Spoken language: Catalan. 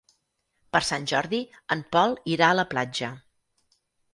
Per Sant Jordi en Pol irà a la platja.